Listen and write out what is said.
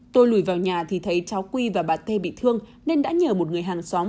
tôi lùi vào nhà thì thấy cháu quy và bà thê bị thương nên đã nhờ một người hàng xóm